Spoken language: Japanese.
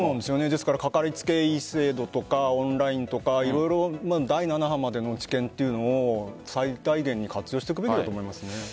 ですからかかりつけ医制度とかオンラインとか色々、第７波までの知見というのを最大限に活用していくべきだと思います。